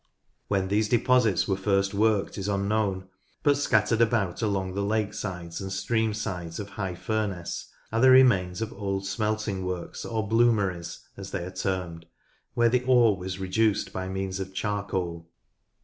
When these deposits were first worked is unknown, but scattered about along the lake sides and stream sides of High Furness are the remains of old smelting works or bloomeries, as they are termed, where the ore was reduced by means of charcoal.